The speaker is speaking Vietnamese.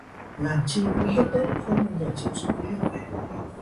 Làm chi cũng hớp tớp, không bao giờ chịu suy nghĩ